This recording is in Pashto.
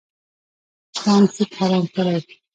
اسلام سود حرام کړی.